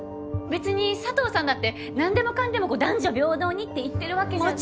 別に佐藤さんだって何でもかんでも男女平等にって言ってるわけじゃ。